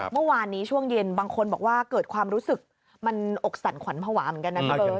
เมื่อวานนี้ช่วงเย็นบางคนบอกว่าเกิดความรู้สึกมันอกสั่นขวัญภาวะเหมือนกันนะพี่เบิร์